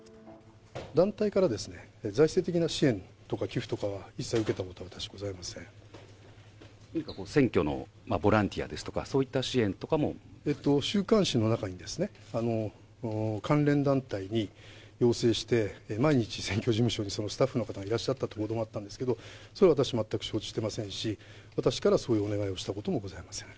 団体から財政的な支援とか寄付とか一切受けたこと、選挙のボランティアですとか、えっと、週刊誌の中に関連団体に要請して、毎日選挙事務所にスタッフの方がいらっしゃったという報道があったんですけれども、それ、私全く承知してませんし、私からそういうお願いをしたこともございません。